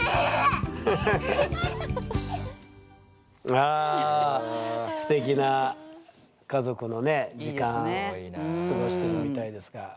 あすてきな家族のね時間過ごしてるみたいですが。